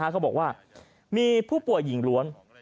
เขาบอกว่ามีผู้ป่วยหญิงล้วน